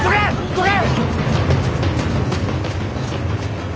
どけ！